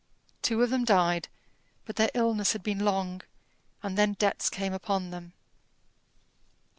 Two of them died, but their illness had been long; and then debts came upon them.